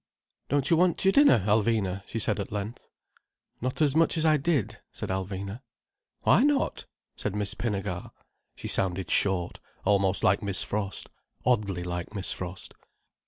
"Don't you want your dinner, Alvina?" she said at length. "Not as much as I did," said Alvina. "Why not?" said Miss Pinnegar. She sounded short, almost like Miss Frost. Oddly like Miss Frost.